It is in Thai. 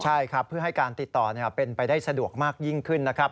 ใช่ครับเพื่อให้การติดต่อเป็นไปได้สะดวกมากยิ่งขึ้นนะครับ